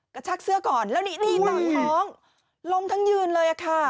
กระชากเสื้อก่อนแล้วนี่นี่ต่างท้องลงทั้งยืนเลยอ่ะค่ะ